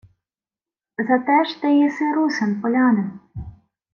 — Зате ж ти єси русин, полянин...